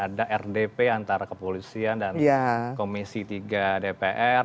ada rdp antara kepolisian dan komisi tiga dpr